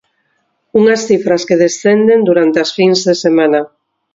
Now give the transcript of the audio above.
Unhas cifras que descenden durante as fins de semana.